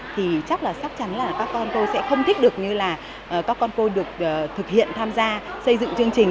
thì chắc là chắc chắn là các con tôi sẽ không thích được như là các con cô được thực hiện tham gia xây dựng chương trình